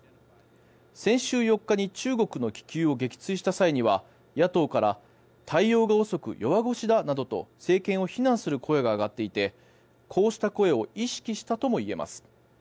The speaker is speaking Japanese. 先週４日に中国の気球を撃墜した際には野党から対応が遅く弱腰だなどと政権を非難する声が上がっていてこうした声を意識したともいえます。